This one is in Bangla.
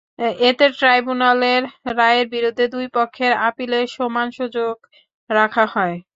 এতে ট্রাইব্যুনালের রায়ের বিরুদ্ধে দুই পক্ষের আপিলের সমান সুযোগ রাখা হয়।